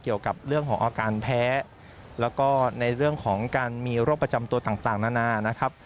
เกี่ยวกับเรื่องของอาการแพ้แล้วก็ในเรื่องของการมีโรคประจำตัวต่างนานานะครับ